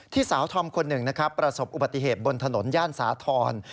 ที่สาวทอมคนหนึ่งประสบอุบัติเหตุบนถนนย่านสาธรณ์